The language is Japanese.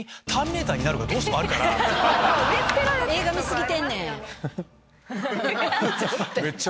映画見過ぎてんねん。